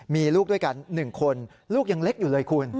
มีลูกด้วยกัน๑คนลูกยังเล็กอยู่เลยคุณ